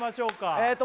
えっと